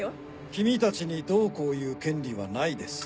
君たちにどうこう言う権利はないです。